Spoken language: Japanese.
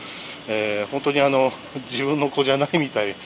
本当に、自分の子じゃないみたい。